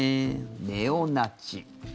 ネオナチ。